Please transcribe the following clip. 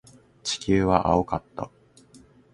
地球は青かった。